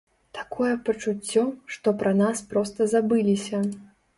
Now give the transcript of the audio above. Такое пачуццё, што пра нас проста забыліся!